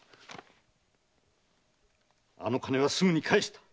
あの金はすぐに返した！